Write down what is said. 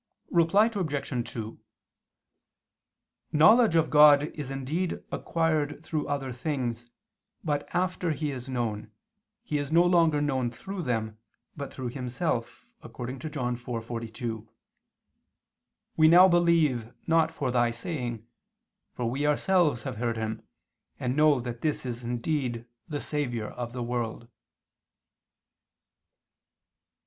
Reply Obj. 2: Knowledge of God is indeed acquired through other things, but after He is known, He is no longer known through them, but through Himself, according to John 4:42: "We now believe, not for thy saying: for we ourselves have heard Him, and know that this is indeed the Saviour of the world."